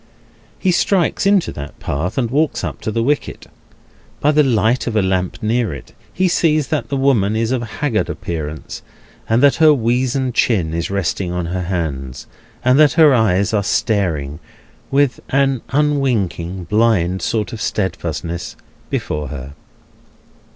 He strikes into that path, and walks up to the wicket. By the light of a lamp near it, he sees that the woman is of a haggard appearance, and that her weazen chin is resting on her hands, and that her eyes are staring—with an unwinking, blind sort of steadfastness—before her.